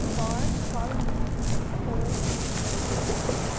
Far, far removed, cold in the dreary grave!